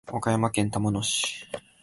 岡山県玉野市